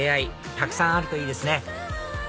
たくさんあるといいですね